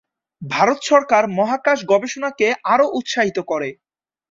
ভারত সরকার মহাকাশ গবেষণাকে আরও উৎসাহিত করে।